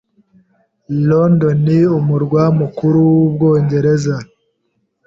London, umurwa mukuru w’Ubwongereza,